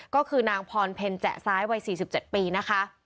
ก็คือนางพรเพลแจ๊ซ้ายวัย๔๗ปีนะคะ